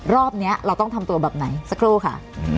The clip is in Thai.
รอบนี้เราต้องทำตัวแบบไหนสักครู่ค่ะ